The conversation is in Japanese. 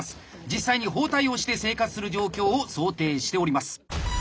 実際に包帯をして生活する状況を想定しております。